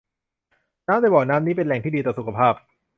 น้ำในบ่อน้ำนี้เป็นแหล่งที่ดีต่อสุขภาพ